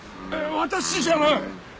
私じゃない。